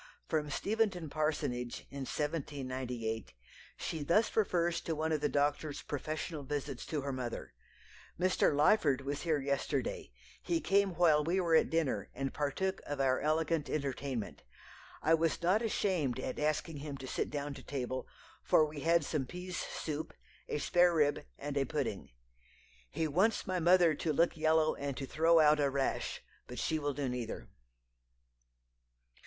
From Steventon parsonage, in 1798, she thus refers to one of the doctor's professional visits to her mother. "Mr. Lyford was here yesterday; he came while we were at dinner, and partook of our elegant entertainment. I was not ashamed at asking him to sit down to table, for we had some pease soup, a sparerib, and a pudding. He wants my mother to look yellow and to throw out a rash, but she will do neither."